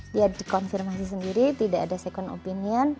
dia dikonfirmasi sendiri tidak ada second opinion